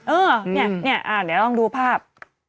เออเนี่ยเนี่ยหาเดี๋ยวลองดูภาพ